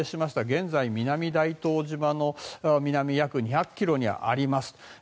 現在、南大東島の南約２００ｋｍにあります